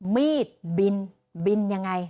มีดบินบินยังไง